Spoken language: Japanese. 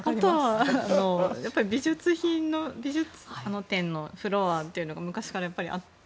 美術品のフロアというのが昔からあって。